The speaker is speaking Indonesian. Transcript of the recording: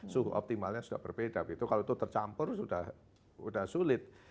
suhu optimalnya sudah berbeda begitu kalau itu tercampur sudah sulit